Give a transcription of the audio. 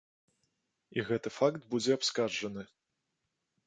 І гэты факт будзе абскарджаны.